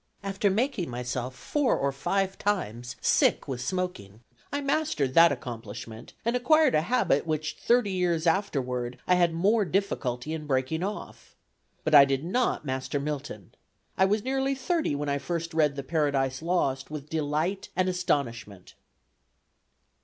After making myself four or five times sick with smoking, I mastered that accomplishment, and acquired a habit which, thirty years afterward, I had more difficulty in breaking off. But I did not master Milton. I was nearly thirty when I first read the Paradise Lost with delight and astonishment."